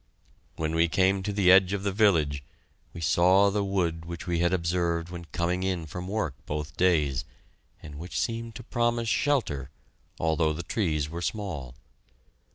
When we came to the edge of the village, we saw the wood which we had observed when coming in from work both days, and which seemed to promise shelter, although the trees were small.